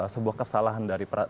sebuah kesalahan dari